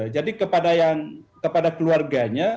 jadi kepada yang kepada keluarganya